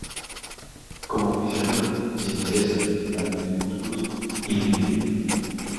Como aficionado, se interesa principalmente en musgos y líquenes.